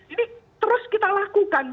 ini terus kita lakukan